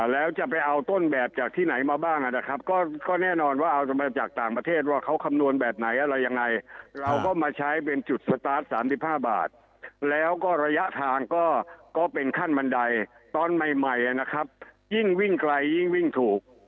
แล้วจะไปเอาต้นแบบจากที่ไหนมาบ้างนะครับก็แน่นอนว่าเอามาจากต่างประเทศว่าเขาคำนวณแบบไหนอะไรยังไงเราก็มาใช้เป็นจุดสตาร์ท๓๕บาทแล้วก็ระยะทางก็เป็นขั้นบันไดตอนใหม่นะครับยิ่งวิ่งไกลยิ่งวิ่งถูก